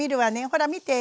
ほら見て。